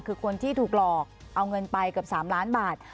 คือคนที่ถูกหลอกเอาเงินไปเกือบ๓ล้านบาท